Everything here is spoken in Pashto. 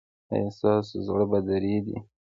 ایا ستاسو زړه به دریدي؟